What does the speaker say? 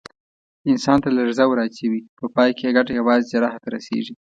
انسان ته لړزه ور اچوي، په پای کې یې ګټه یوازې جراح ته رسېږي.